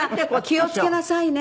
「気を付けなさいね」